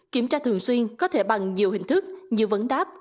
kiểm tra thường xuyên có thể bằng nhiều hình thức như vấn đáp